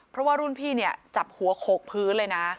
เพราะว่ารุ่นพี่เนี่ยจับหัวโขกพื้นเลยนะ